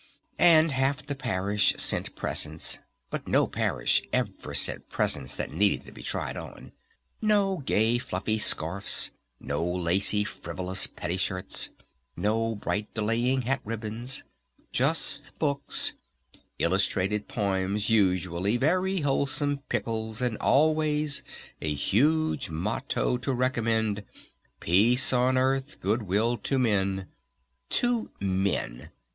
And half the Parish sent presents. But no Parish ever sent presents that needed to be tried on. No gay, fluffy scarfs, no lacey, frivolous pettiskirts, no bright delaying hat ribbons! Just books, illustrated poems usually, very wholesome pickles, and always a huge motto to recommend, "Peace on Earth, Good Will to Men." To "Men"?